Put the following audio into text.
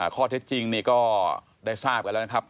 ข้อเท็จจริงนี่ก็ได้ทราบกันแล้วนะครับ